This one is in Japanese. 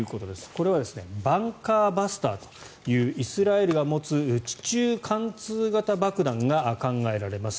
これはバンカーバスターというイスラエルが持つ地中貫通型爆弾が考えられます。